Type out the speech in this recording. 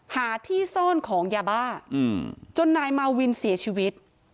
หาที่ซ่อนของยาบ้าจนนายมาวินเสียชีวิต